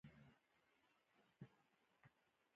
خوشبینه خلک بریالي وي.